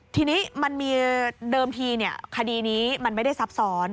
ทีนี้มันมีเดิมทีคดีนี้มันไม่ได้ซับซ้อน